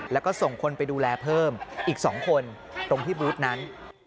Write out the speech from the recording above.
แล้วก็ส่งคนไปดูแลเพิ่มอีก๒คนตรงที่บูธนั้น